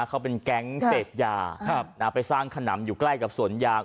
เขาเป็นแก๊งเสพยาครับพันครับน่าไปสร้างขนำอยู่ใกล้กับส่วนยา